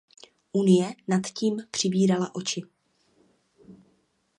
Unie nad tím přivírala oči.